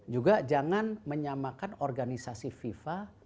juga jangan menyamakan organisasi fifa